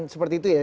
seperti itu ya